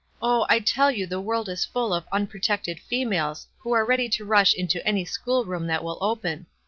Oh, I tell you the world is full of ? unprotected fe males,' who are ready to rush into any school room that will open.